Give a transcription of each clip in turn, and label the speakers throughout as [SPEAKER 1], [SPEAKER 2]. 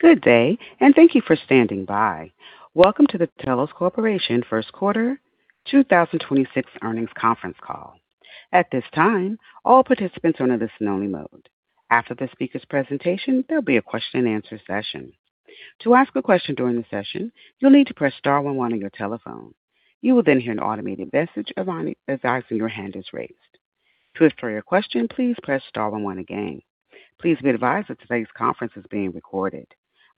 [SPEAKER 1] Good day, and thank you for standing by. Welcome to the Telos Corporation Q1 2026 Earnings Conference Call. At this time, all participants are under listen-only mode. After the speaker's presentation, there'll be a Q&A session. To ask a question during the session, you'll need to press star one one on your telephone. You will then hear an automated message advising your hand is raised. To withdraw your question, please press star one one again. Please be advised that today's conference is being recorded.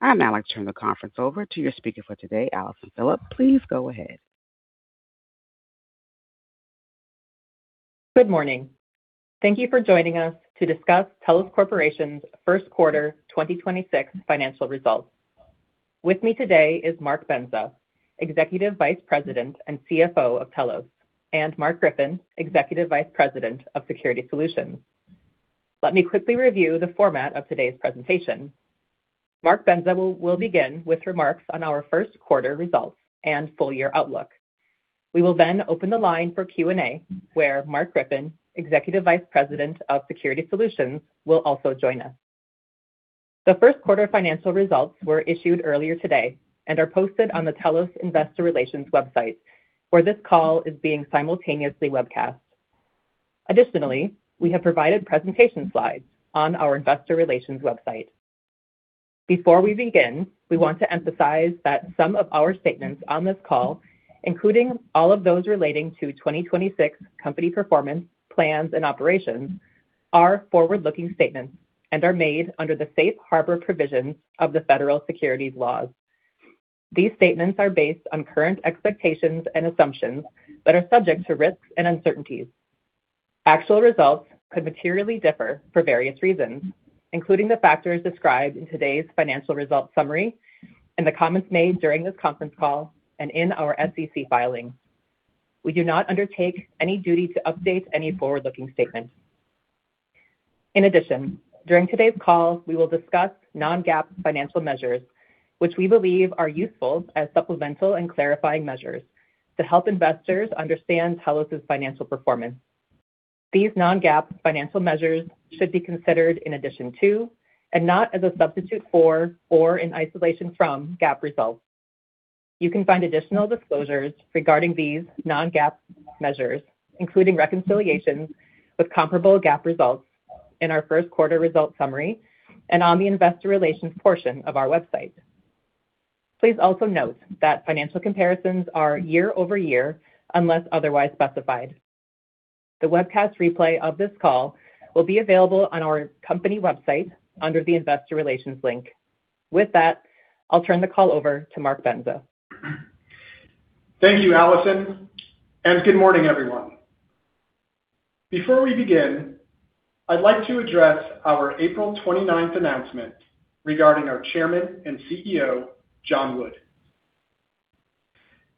[SPEAKER 1] I'd now like to turn the conference over to your speaker for today, Allison Phillips. Please go ahead.
[SPEAKER 2] Good morning. Thank you for joining us to discuss Telos Corporation's Q1 2026 financial results. With me today is Mark Bendza, Executive Vice President and CFO of Telos, and Mark Griffin, Executive Vice President of Security Solutions. Let me quickly review the format of today's presentation. Mark Bendza will begin with remarks on our Q1 results and full year outlook. We will then open the line for Q&A where Mark Griffin, Executive Vice President of Security Solutions, will also join us. The Q1 financial results were issued earlier today and are posted on the Telos Investor Relations website, where this call is being simultaneously webcast. Additionally, we have provided presentation slides on our investor relations website. Before we begin, we want to emphasize that some of our statements on this call, including all of those relating to 2026 company performance, plans, and operations, are forward-looking statements and are made under the safe harbor provisions of the Federal Securities laws. These statements are based on current expectations and assumptions that are subject to risks and uncertainties. Actual results could materially differ for various reasons, including the factors described in today's financial results summary and the comments made during this conference call and in our SEC filing. We do not undertake any duty to update any forward-looking statement. In addition, during today's call, we will discuss non-GAAP financial measures, which we believe are useful as supplemental and clarifying measures to help investors understand Telos' financial performance. These non-GAAP financial measures should be considered in addition to, and not as a substitute for or in isolation from, GAAP results. You can find additional disclosures regarding these non-GAAP measures, including reconciliations with comparable GAAP results in our Q1 results summary and on the investor relations portion of our website. Please also note that financial comparisons are year-over-year unless otherwise specified. The webcast replay of this call will be available on our company website under the investor relations link. With that, I'll turn the call over to Mark Bendza.
[SPEAKER 3] Thank you, Allison, and good morning, everyone. Before we begin, I'd like to address our April 29th announcement regarding our Chairman and CEO, John Wood.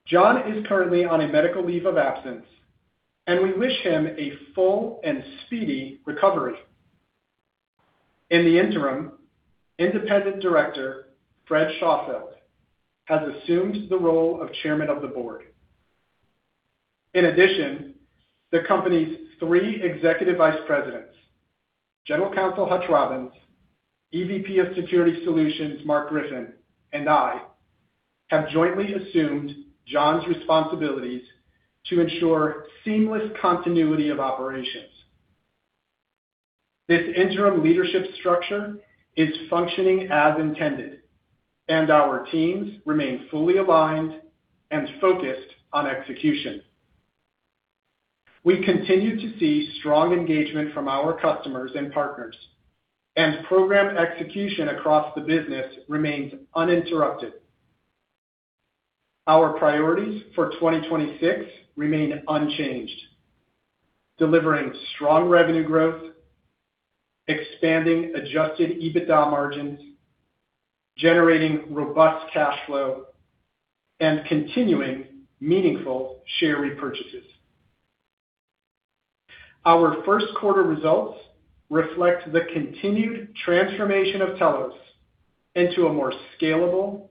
[SPEAKER 3] John is currently on a medical leave of absence, and we wish him a full and speedy recovery. In the interim, Independent Director Fred Schaufeld has assumed the role of Chairman of the Board. In addition, the company's three Executive Vice Presidents, General Counsel Hutch Robbins, EVP of Security Solutions Mark Griffin, and I, have jointly assumed John's responsibilities to ensure seamless continuity of operations. This interim leadership structure is functioning as intended, and our teams remain fully aligned and focused on execution. We continue to see strong engagement from our customers and partners, and program execution across the business remains uninterrupted. Our priorities for 2026 remain unchanged: delivering strong revenue growth, expanding adjusted EBITDA margins, generating robust cash flow, and continuing meaningful share repurchases. Our Q1 results reflect the continued transformation of Telos into a more scalable,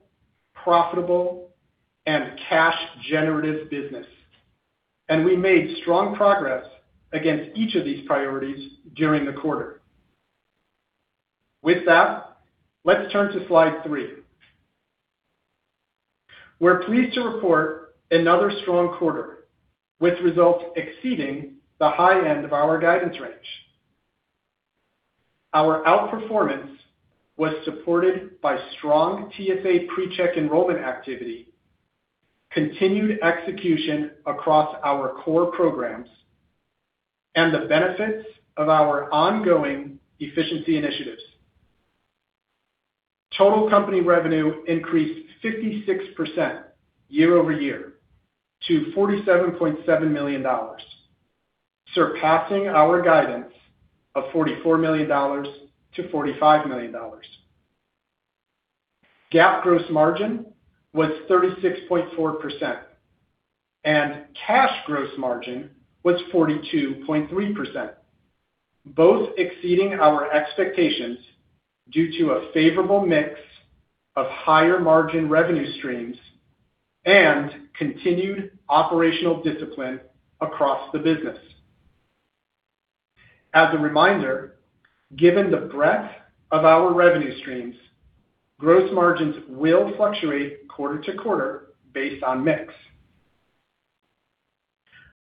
[SPEAKER 3] profitable, and cash-generative business, and we made strong progress against each of these priorities during the quarter. With that, let's turn to slide three. We're pleased to report another strong quarter with results exceeding the high end of our guidance range. Our outperformance was supported by strong TSA PreCheck enrollment activity, continued execution across our core programs, and the benefits of our ongoing efficiency initiatives. Total company revenue increased 56% year-over-year to $47.7 million, surpassing our guidance of $44 million-$45 million. GAAP gross margin was 36.4%, and cash gross margin was 42.3%, both exceeding our expectations due to a favorable mix of higher-margin revenue streams and continued operational discipline across the business. As a reminder, given the breadth of our revenue streams, gross margins will fluctuate quarter to quarter based on mix.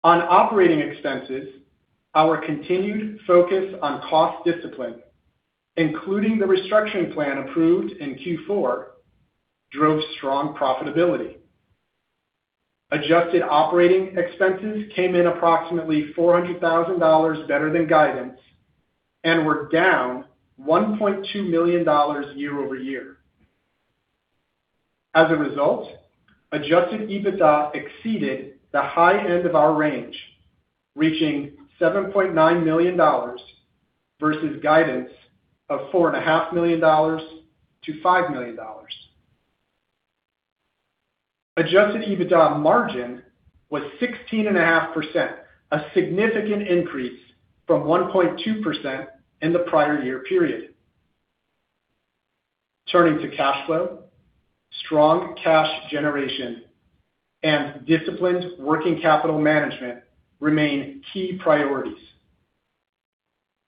[SPEAKER 3] On operating expenses, our continued focus on cost discipline, including the restructuring plan approved in Q4, drove strong profitability. Adjusted operating expenses came in approximately $400 thousand better than guidance and were down $1.2 million year-over-year. As a result, adjusted EBITDA exceeded the high end of our range, reaching $7.9 million versus guidance of four and a half million dollars to $5 million. Adjusted EBITDA margin was 16.5%, a significant increase from 1.2% in the prior year period. Turning to cash flow, strong cash generation and disciplined working capital management remain key priorities.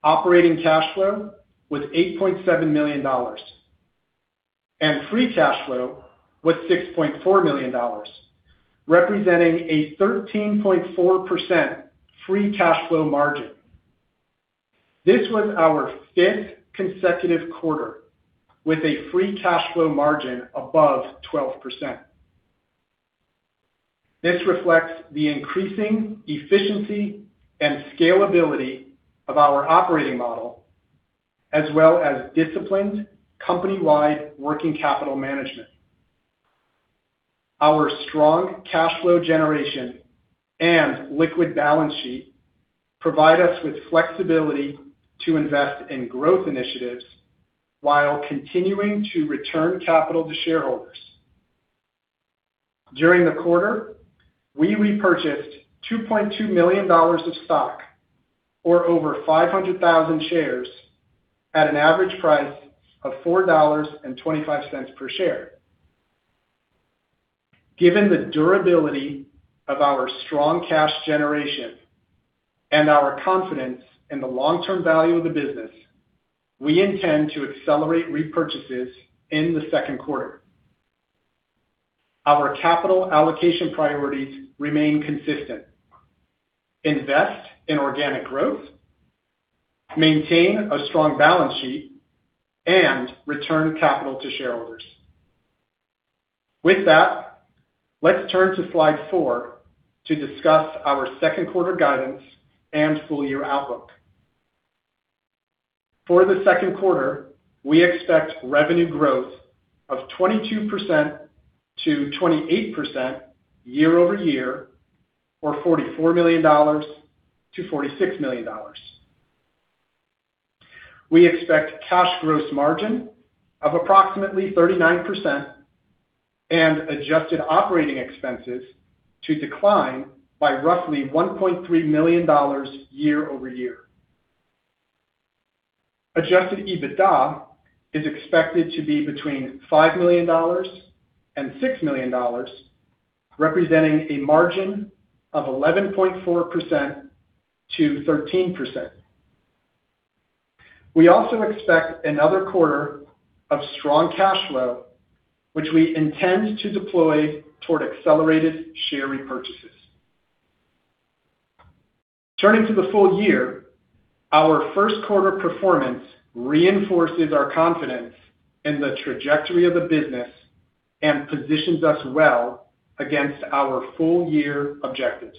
[SPEAKER 3] Operating cash flow was $8.7 million, Free Cash Flow was $6.4 million, representing a 13.4% Free Cash Flow margin. This was our fifth consecutive quarter with a Free Cash Flow margin above 12%. This reflects the increasing efficiency and scalability of our operating model as well as disciplined company-wide working capital management. Our strong cash flow generation and liquid balance sheet provide us with flexibility to invest in growth initiatives while continuing to return capital to shareholders. During the quarter, we repurchased $2.2 million of stock, or over 500,000 shares, at an average price of $4.25 per share. Given the durability of our strong cash generation and our confidence in the long-term value of the business, we intend to accelerate repurchases in the Q2. Our capital allocation priorities remain consistent: invest in organic growth, maintain a strong balance sheet, and return capital to shareholders. With that, let's turn to slide four to discuss our Q2 guidance and full year outlook. For the Q2, we expect revenue growth of 22%-28% year-over-year, or $44 million-$46 million. We expect cash growth margin of approximately 39% and adjusted operating expenses to decline by roughly $1.3 million year-over-year. Adjusted EBITDA is expected to be between $5 million and $6 million, representing a margin of 11.4%-13%. We also expect another quarter of strong cash flow, which we intend to deploy toward accelerated share repurchases. Turning to the full year, our Q1 performance reinforces our confidence in the trajectory of the business and positions us well against our full year objectives.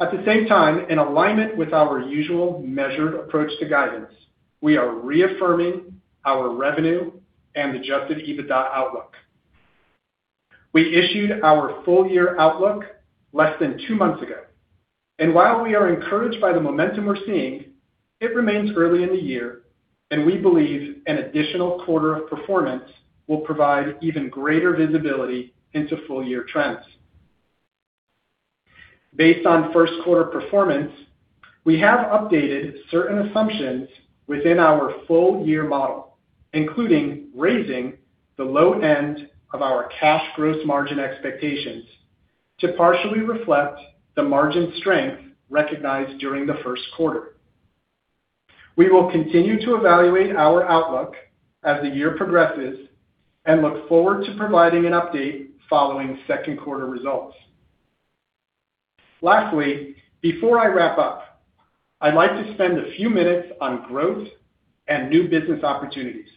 [SPEAKER 3] At the same time, in alignment with our usual measured approach to guidance, we are reaffirming our revenue and adjusted EBITDA outlook. We issued our full year outlook less than two months ago, while we are encouraged by the momentum we're seeing, it remains early in the year and we believe an additional quarter of performance will provide even greater visibility into full year trends. Based on Q1 performance, we have updated certain assumptions within our full year model, including raising the low end of our cash gross margin expectations to partially reflect the margin strength recognized during the Q1. We will continue to evaluate our outlook as the year progresses and look forward to providing an update following Q2 results. Lastly, before I wrap up, I'd like to spend a few minutes on growth and new business opportunities.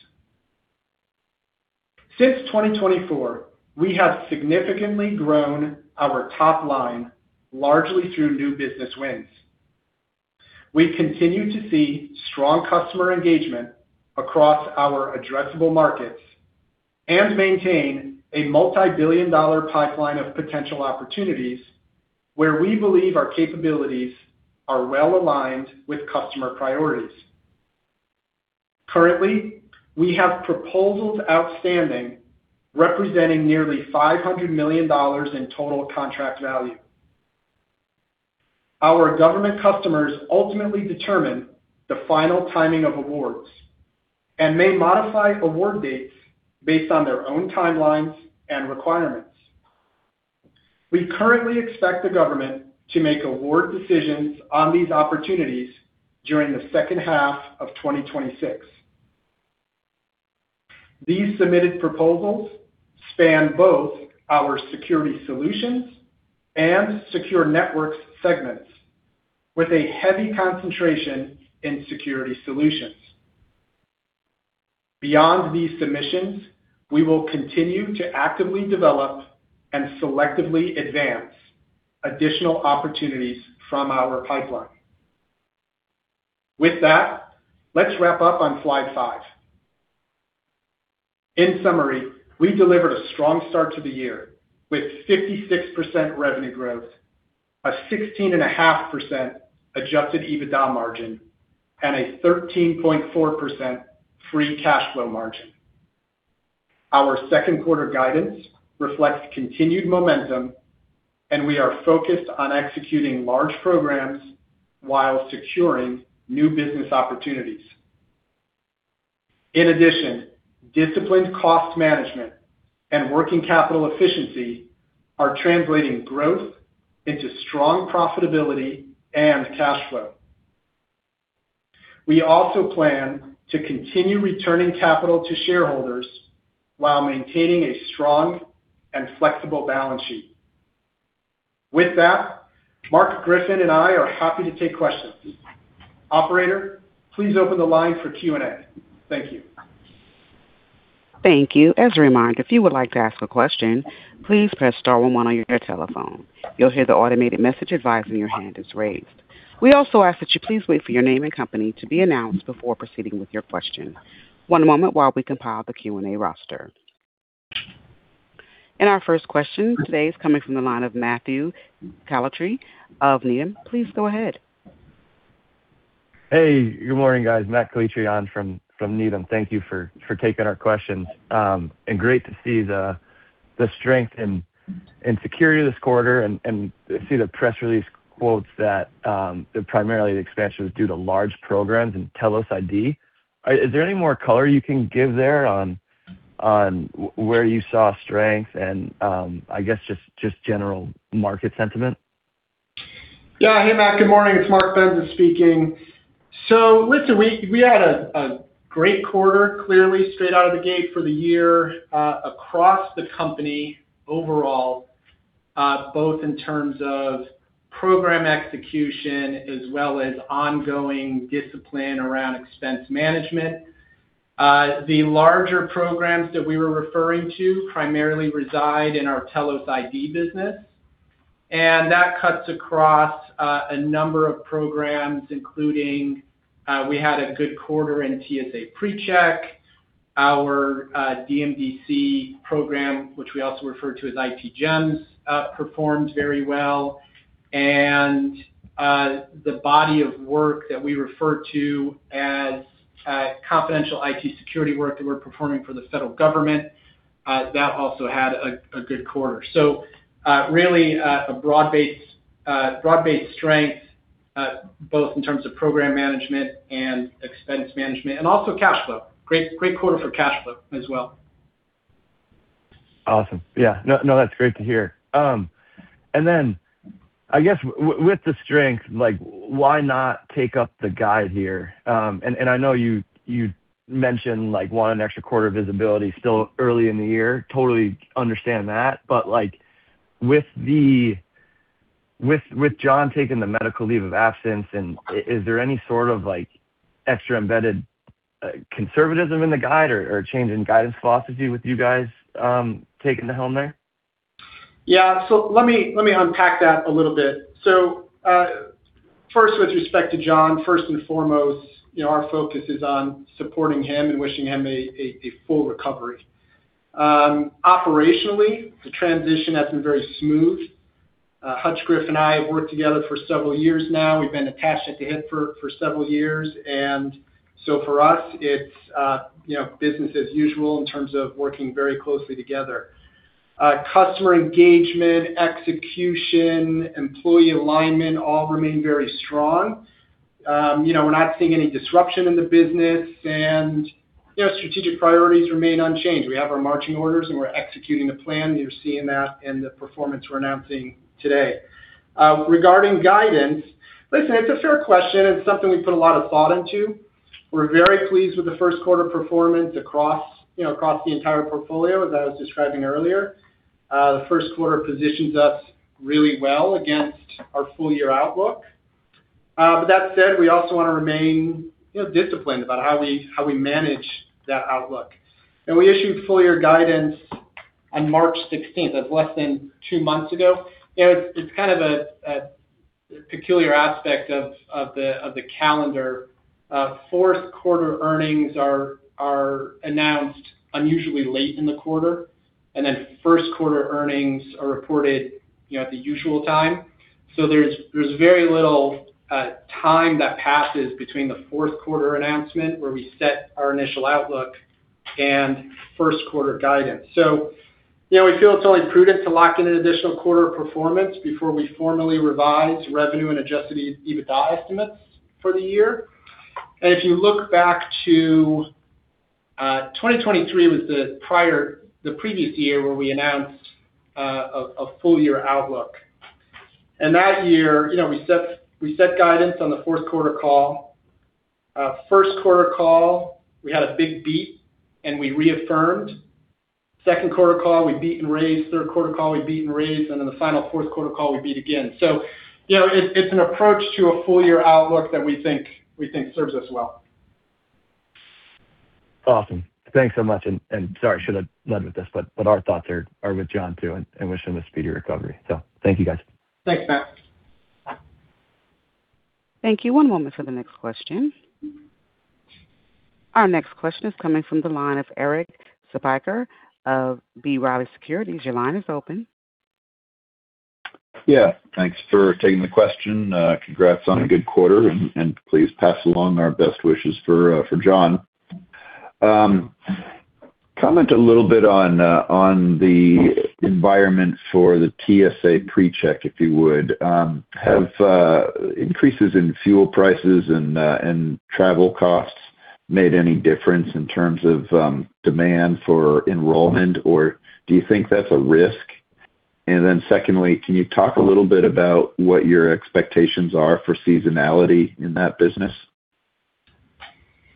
[SPEAKER 3] Since 2024, we have significantly grown our top line largely through new business wins. We continue to see strong customer engagement across our addressable markets and maintain a multibillion-dollar pipeline of potential opportunities where we believe our capabilities are well-aligned with customer priorities. Currently, we have proposals outstanding representing nearly $500 million in total contract value. Our government customers ultimately determine the final timing of awards and may modify award dates based on their own timelines and requirements. We currently expect the government to make award decisions on these opportunities during the H2 of 2026. These submitted proposals span both our Security Solutions and Secure Networks segments, with a heavy concentration in Security Solutions. Beyond these submissions, we will continue to actively develop and selectively advance additional opportunities from our pipeline. With that, let's wrap up on slide five. In summary, we delivered a strong start to the year with 56% revenue growth, a 16.5% adjusted EBITDA margin, and a 13.4% Free Cash Flow margin. Our Q2 guidance reflects continued momentum, and we are focused on executing large programs while securing new business opportunities. In addition, disciplined cost management and working capital efficiency are translating growth into strong profitability and cash flow. We also plan to continue returning capital to shareholders while maintaining a strong and flexible balance sheet. With that, Mark Griffin and I are happy to take questions. Operator, please open the line for Q&A. Thank you.
[SPEAKER 1] Thank you. As a reminder, if you would like to ask a question, please press star one one on your telephone. You'll hear the automated message advising your hand is raised. We also ask that you please wait for your name and company to be announced before proceeding with your question. One moment while we compile the Q&A roster. Our first question today is coming from the line of Matthew Calitri of Needham. Please go ahead.
[SPEAKER 4] Hey, good morning, guys. Matthew Calitri on from Needham. Thank you for taking our questions. Great to see the strength in Security this quarter and see the press release quotes that primarily the expansion is due to large programs in Telos ID. Is there any more color you can give there on where you saw strength and I guess just general market sentiment?
[SPEAKER 3] Yeah. Hey, Matt, good morning. It's Mark Bendza speaking. Listen, we had a great quarter, clearly straight out of the gate for the year, across the company overall, both in terms of program execution as well as ongoing discipline around expense management. The larger programs that we were referring to primarily reside in our Telos ID business, and that cuts across a number of programs, including, we had a good quarter in TSA PreCheck, our DMDC program, which we also refer to as IT Gems, performed very well. The body of work that we refer to as confidential IT security work that we're performing for the federal government, that also had a good quarter. Really, a broad-based, broad-based strength, both in terms of program management and expense management and also cash flow. Great quarter for cash flow as well.
[SPEAKER 4] Awesome. Yeah. No, no, that's great to hear. I guess with the strength, like why not take up the guide here? I know you mentioned like, want an extra quarter visibility still early in the year. Totally understand that. With John taking the medical leave of absence and is there any sort of like extra embedded conservatism in the guide or change in guidance philosophy with you guys taking the helm there?
[SPEAKER 3] Let me unpack that a little bit. First, with respect to John, first and foremost, you know, our focus is on supporting him and wishing him a full recovery. Operationally, the transition has been very smooth. Hutch and I have worked together for several years now. We've been attached at the hip for several years. For us it's, you know, business as usual in terms of working very closely together. Customer engagement, execution, employee alignment, all remain very strong. You know, we're not seeing any disruption in the business. You know, strategic priorities remain unchanged. We have our marching orders, and we're executing the plan. You're seeing that in the performance we're announcing today. Regarding guidance, listen, it's a fair question. It's something we put a lot of thought into. We're very pleased with the Q1 performance across, you know, across the entire portfolio, as I was describing earlier. The Q1 positions us really well against our full year outlook. That said, we also want to remain, you know, disciplined about how we manage that outlook. We issued full year guidance on March 16th. That's less than two months ago. You know, it's kind of a peculiar aspect of the calendar. Q4 earnings are announced unusually late in the quarter, and then Q1 earnings are reported, you know, at the usual time. There's very little time that passes between the Q4 announcement where we set our initial outlook and Q1 guidance. You know, we feel it's only prudent to lock in an additional quarter of performance before we formally revise revenue and adjusted EBITDA estimates for the year. If you look back to 2023 was the previous year where we announced a full year outlook. Q1 call, we had a big beat, and we reaffirmed. Q2 call, we beat and raised. Q3 call, we beat and raised. The final Q4 call, we beat again. You know, it's an approach to a full year outlook that we think serves us well.
[SPEAKER 4] Awesome. Thanks so much. Sorry, should have led with this, but our thoughts are with John too, and wishing him a speedy recovery. Thank you guys.
[SPEAKER 3] Thanks, Matt.
[SPEAKER 1] Thank you. One moment for the next question. Our next question is coming from the line of Erik Suppiger of B. Riley Securities. Your line is open.
[SPEAKER 5] Yeah, thanks for taking the question. Congrats on a good quarter, and please pass along our best wishes for John. Comment a little bit on the environment for the TSA PreCheck, if you would. Have increases in fuel prices and travel costs made any difference in terms of demand for enrollment, or do you think that's a risk? Then secondly, can you talk a little bit about what your expectations are for seasonality in that business?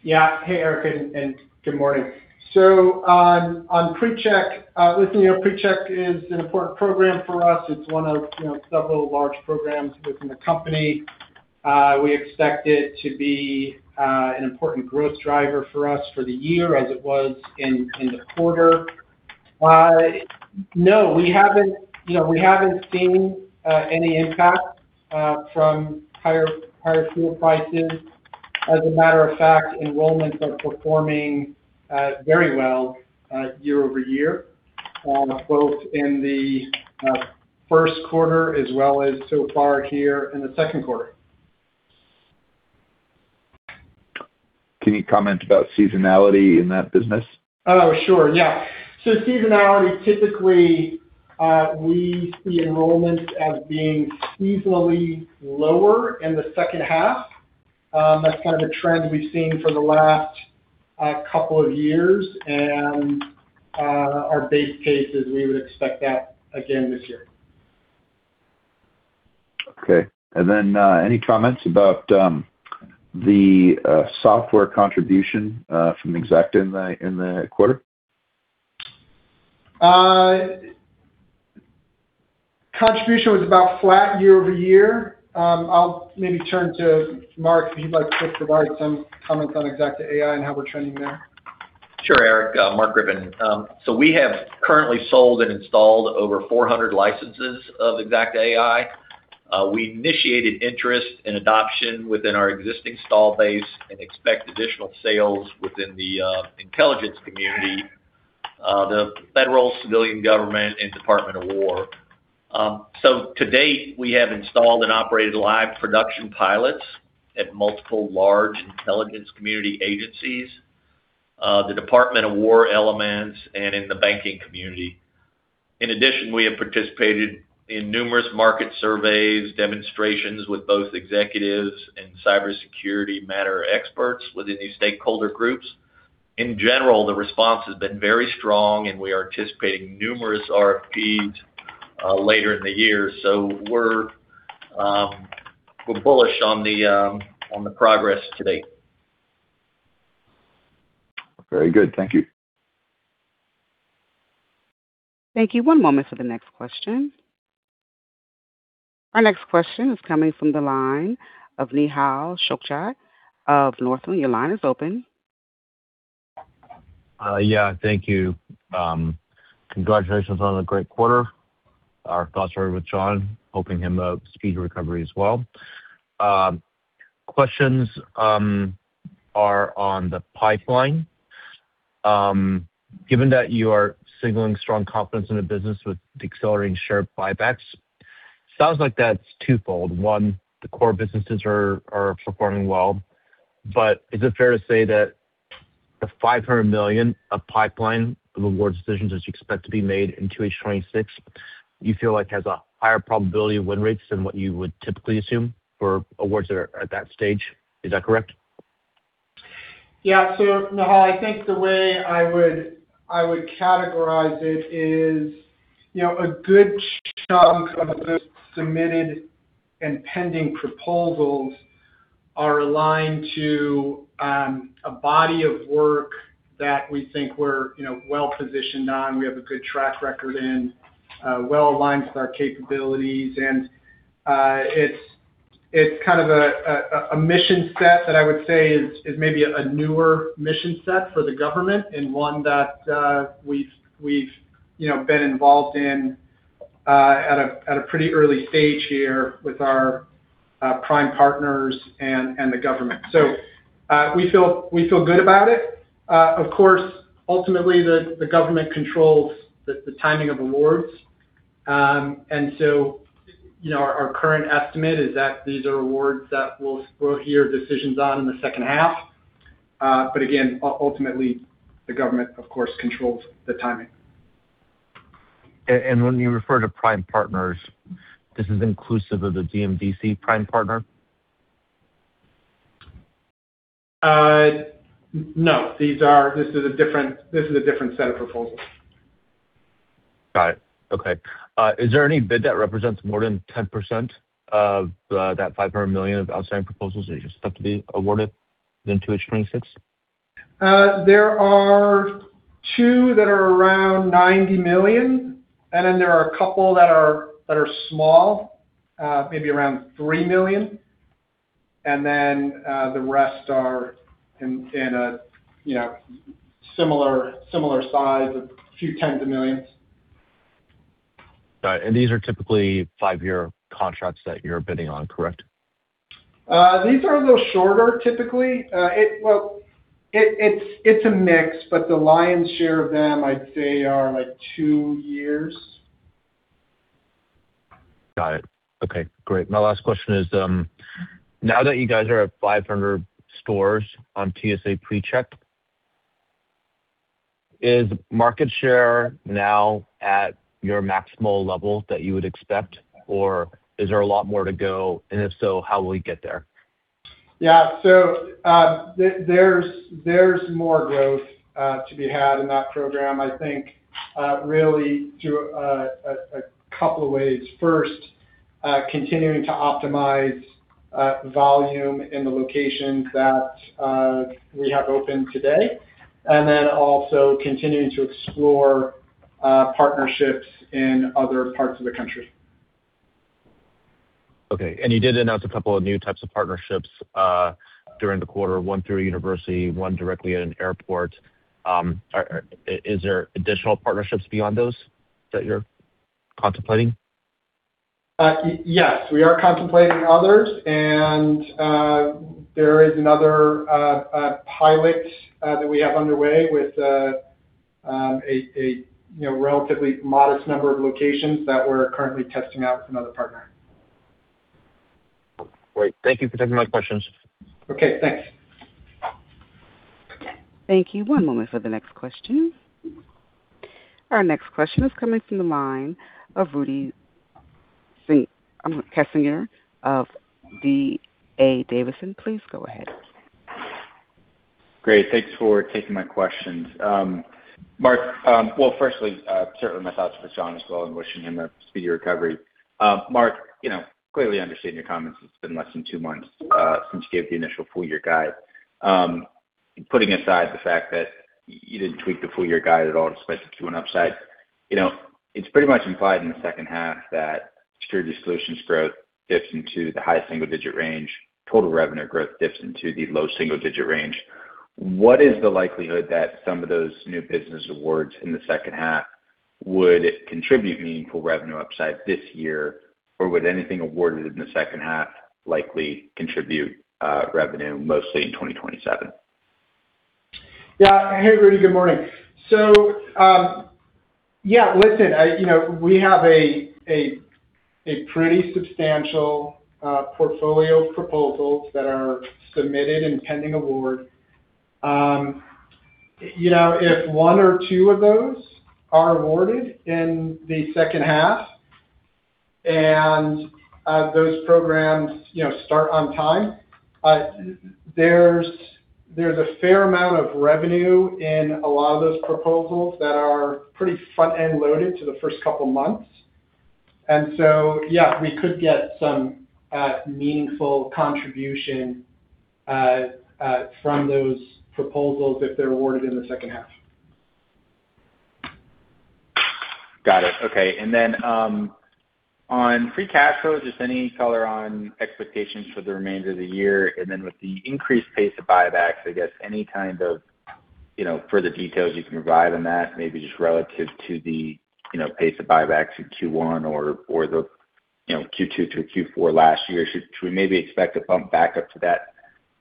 [SPEAKER 3] Hey, Erik, and good morning. On PreCheck, listen, you know, PreCheck is an important program for us. It's one of, you know, several large programs within the company. We expect it to be an important growth driver for us for the year as it was in the quarter. No, we haven't, you know, we haven't seen any impact from higher fuel prices. As a matter of fact, enrollments are performing very well, year-over-year, both in the Q1 as well as so far here in the Q2.
[SPEAKER 5] Can you comment about seasonality in that business?
[SPEAKER 3] Sure. Seasonality, typically, we see enrollments as being seasonally lower in the H2. That's kind of a trend we've seen for the last couple of years. Our base case is we would expect that again this year.
[SPEAKER 5] Okay. Any comments about the software contribution from Xacta in the quarter?
[SPEAKER 3] Contribution was about flat year-over-year. I'll maybe turn to Mark, if he'd like to provide some comments on Xacta.ai and how we're trending there.
[SPEAKER 6] Sure, Erik. Mark Griffin. We have currently sold and installed over 400 licenses of Xacta.ai. We initiated interest and adoption within our existing install base and expect additional sales within the intelligence community, the federal civilian government and Department of War. To date, we have installed and operated live production pilots at multiple large intelligence community agencies, the Department of War elements and in the banking community. In addition, we have participated in numerous market surveys, demonstrations with both executives and cybersecurity matter experts within these stakeholder groups. In general, the response has been very strong, and we are anticipating numerous RFPs later in the year. We're bullish on the progress to date.
[SPEAKER 5] Very good. Thank you.
[SPEAKER 1] Thank you. One moment for the next question. Our next question is coming from the line of Nehal Chokshi of Northland. Your line is open.
[SPEAKER 7] Yeah. Thank you. Congratulations on a great quarter. Our thoughts are with John, hoping him a speedy recovery as well. Questions are on the pipeline. Given that you are signaling strong confidence in the business with the accelerating share buybacks, sounds like that's twofold. One, the core businesses are performing well. Is it fair to say that the $500 million of pipeline of award decisions that you expect to be made into 2026, you feel like has a higher probability of win rates than what you would typically assume for awards that are at that stage? Is that correct?
[SPEAKER 3] Yeah. Nehal, I think the way I would categorize it is, you know, a good chunk of those submitted and pending proposals are aligned to a body of work that we think we're, you know, well-positioned on. We have a good track record in, well aligned with our capabilities. It's kind of a mission set that I would say is maybe a newer mission set for the government and one that we've, you know, been involved in at a pretty early stage here with our prime partners and the government. We feel good about it. Of course, ultimately, the government controls the timing of awards. You know, our current estimate is that these are awards that we'll hear decisions on in the H2. Ultimately, the government, of course, controls the timing.
[SPEAKER 7] When you refer to prime partners, this is inclusive of the DMDC prime partner?
[SPEAKER 3] No. This is a different set of proposals.
[SPEAKER 7] Got it. Okay. Is there any bid that represents more than 10% of that $500 million of outstanding proposals that you expect to be awarded in 2026?
[SPEAKER 3] There are two that are around $90 million, and then there are a couple that are small, maybe around $3 million. The rest are in a similar size of a few tens of millions.
[SPEAKER 7] Got it. These are typically 5-year contracts that you're bidding on, correct?
[SPEAKER 3] These are a little shorter, typically. Well, it's a mix, but the lion's share of them I'd say are, like, two years.
[SPEAKER 7] Got it. Okay, great. My last question is, now that you guys are at 500 stores on TSA PreCheck, is market share now at your maximal level that you would expect, or is there a lot more to go? If so, how will we get there?
[SPEAKER 3] Yeah. There's more growth to be had in that program, I think, really through a couple of ways. First, continuing to optimize volume in the locations that we have open today, and then also continuing to explore partnerships in other parts of the country.
[SPEAKER 7] Okay. You did announce a couple of new types of partnerships during the quarter, one through a university, one directly at an airport. Is there additional partnerships beyond those that you're contemplating?
[SPEAKER 3] Yes, we are contemplating others. There is another pilot that we have underway with, you know, a relatively modest number of locations that we're currently testing out with another partner.
[SPEAKER 7] Great. Thank you for taking my questions.
[SPEAKER 3] Okay, thanks.
[SPEAKER 1] Thank you. One moment for the next question. Our next question is coming from the line of Rudy Kessinger of D.A. Davidson. Please go ahead.
[SPEAKER 8] Great. Thanks for taking my questions. Mark Bendza, Well, firstly, certainly my thoughts are with John as well and wishing him a speedy recovery. Mark, you know, clearly understand your comments. It's been less than two months since you gave the initial full year guide. Putting aside the fact that you didn't tweak the full year guide at all, despite the Q1 upside, you know, it's pretty much implied in the H2 that Security Solutions growth dips into the high single-digit range, total revenue growth dips into the low single-digit range. What is the likelihood that some of those new business awards in the H2 would contribute meaningful revenue upside this year? Or would anything awarded in the H2 likely contribute revenue mostly in 2027?
[SPEAKER 3] Yeah. Hey, Rudy, good morning. Yeah, listen, you know, we have a pretty substantial portfolio of proposals that are submitted and pending award. You know, if one or two of those are awarded in the H2 and those programs, you know, start on time, there's a fair amount of revenue in a lot of those proposals that are pretty front-end loaded to the first couple months. Yeah, we could get some meaningful contribution from those proposals if they're awarded in the H2.
[SPEAKER 8] Got it. Okay. On Free Cash Flow, just any color on expectations for the remainder of the year. With the increased pace of buybacks, I guess any kind of, you know, further details you can provide on that, maybe just relative to the, you know, pace of buybacks in Q1 or the, you know, Q2 to Q4 last year. Should we maybe expect to bump back up to that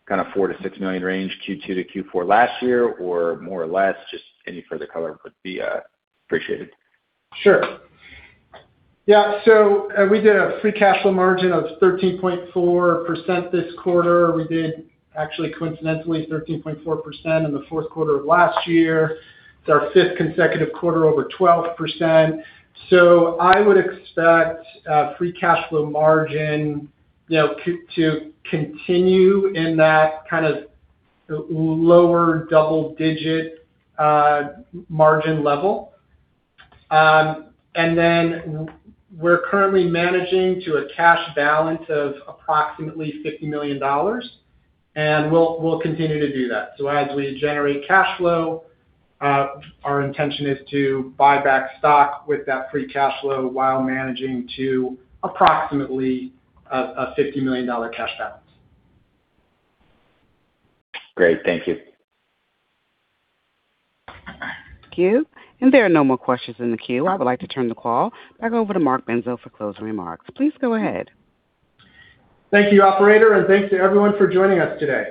[SPEAKER 8] kind of $4 million-$6 million range Q2 to Q4 last year or more or less? Just any further color would be appreciated.
[SPEAKER 3] Sure. Yeah. We did a Free Cash Flow margin of 13.4% this quarter. We did actually, coincidentally, 13.4% in the Q4 of last year. It's our fifth consecutive quarter over 12%. I would expect Free Cash Flow margin, you know, to continue in that kind of lower double digit margin level. We're currently managing to a cash balance of approximately $50 million, and we'll continue to do that. As we generate cash flow, our intention is to buy back stock with that Free Cash Flow while managing to approximately a $50 million cash balance.
[SPEAKER 8] Great. Thank you.
[SPEAKER 1] Thank you. There are no more questions in the queue. I would like to turn the call back over to Mark Bendza for closing remarks. Please go ahead.
[SPEAKER 3] Thank you, operator. Thanks to everyone for joining us today.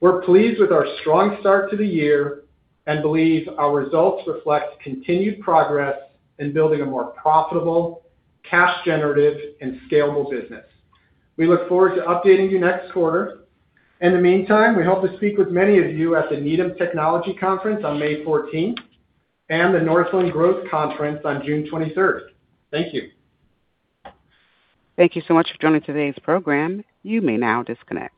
[SPEAKER 3] We're pleased with our strong start to the year and believe our results reflect continued progress in building a more profitable, cash generative, and scalable business. We look forward to updating you next quarter. In the meantime, we hope to speak with many of you at the Needham Technology Conference on May 14th, and the Northland Growth Conference on June 23rd. Thank you.
[SPEAKER 1] Thank you so much for joining today's program. You may now disconnect.